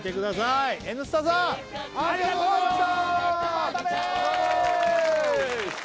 「Ｎスタ」さん、ありがとうございました！